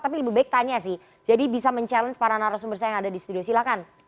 tapi lebih baik tanya sih jadi bisa mencabar para narasumber saya yang ada di studio silahkan